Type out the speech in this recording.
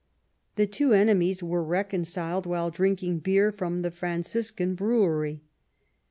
The two enemies were reconciled while drinking beer from the Franciscan Brewery.